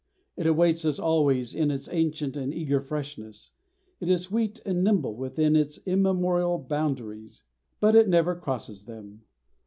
It awaits us always in its ancient and eager freshness. It is sweet and nimble within its immemorial boundaries, but it never crosses them.